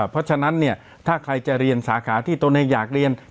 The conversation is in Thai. เพราะฉะนั้นเนี่ยถ้าใครจะเรียนสาขาที่ตนเองอยากเรียน